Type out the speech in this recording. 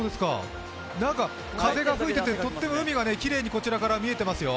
風が吹いてて、とっても海がきれいに、こちらから見えていますよ。